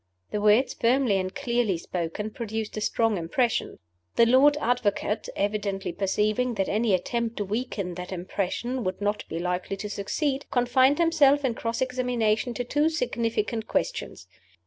The words, firmly and clearly spoken, produced a strong impression. The Lord Advocate evidently perceiving that any attempt to weaken that impression would not be likely to succeed confined himself, in cross examination, to two significant questions.